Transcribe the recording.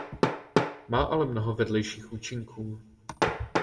Má ale mnoho vedlejších účinků.